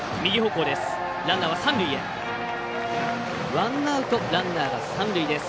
ワンアウト、ランナーは三塁です。